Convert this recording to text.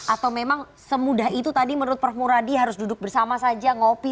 atau memang semudah itu tadi menurut prof muradi harus duduk bersama saja ngopi